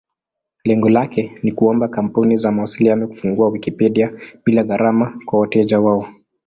Lengo lake ni kuomba kampuni za mawasiliano kufungua Wikipedia bila gharama kwa wateja wao.